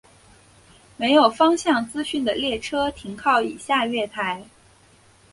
没有方向资讯的列车停靠以下月台。